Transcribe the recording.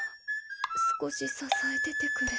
少し支えててくれ。